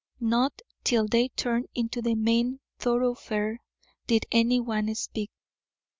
Not till they turned into the main thoroughfare did anyone speak.